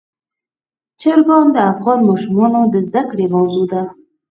چرګان د افغان ماشومانو د زده کړې موضوع ده.